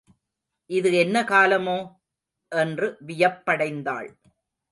இது என்ன காலமோ? என்று வியப்படைந்தாள்.